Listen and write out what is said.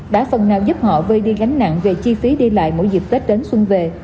đã phần nào giúp họ vơi đi gánh nặng về chi phí đi lại mỗi dịp tết đến xuân về